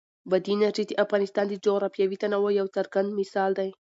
بادي انرژي د افغانستان د جغرافیوي تنوع یو څرګند مثال دی.